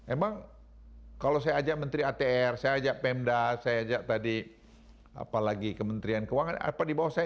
emang kalau saya ajak menteri atr saya ajak pemda saya ajak tadi apalagi kementerian keuangan apa di bawah saya